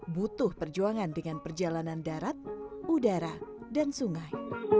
butuh perjuangan dengan perjalanan darat udara dan sungai